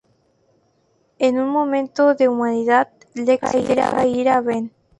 En un momento de humanidad, Lexi deja ir a Ben.